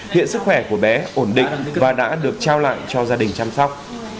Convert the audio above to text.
hiện sức khỏe của bé ổn định và đã được trao lại cho gia đình chăm sóc